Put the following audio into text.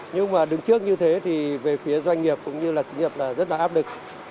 nhưng mà đứng trước như thế thì về phía doanh nghiệp cũng như là doanh nghiệp là rất là áp lực